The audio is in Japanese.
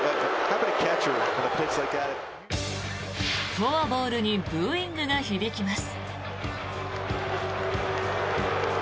フォアボールにブーイングが響きます。